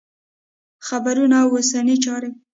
خبرونه او اوسنۍ چارې